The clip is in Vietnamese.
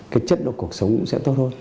cái chất độ cuộc sống cũng sẽ tốt hơn